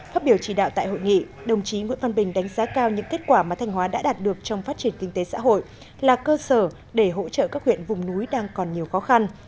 phát biểu chỉ đạo tại hội nghị đồng chí nguyễn văn bình đánh giá cao những kết quả mà thanh hóa đã đạt được trong phát triển kinh tế xã hội là cơ sở để hỗ trợ các huyện vùng núi đang còn nhiều khó khăn